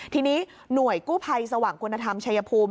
ทีนี้หน่วยกู้ภัยสว่างคุณธรรมชัยภูมิ